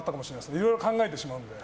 いろいろ考えてしまうので。